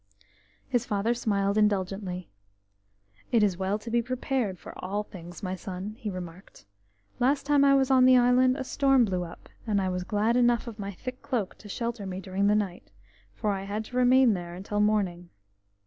His father smiled indulgently. "It is well to be prepared for all things, my son," he remarked. "Last time I was on the island a storm blew up, and I was glad enough of my thick cloak to shelter me during the night, for I had to remain there until morning."